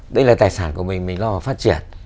đây là tài sản của mình thì mình phải lo phát triển